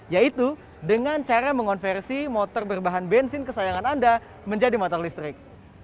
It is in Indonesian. yaitu dengan cara mengonversi motor berbahan bensin kesayangan anda menjadi motor listrik